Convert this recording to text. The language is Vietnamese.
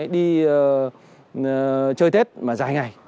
đi chơi tết mà dài ngày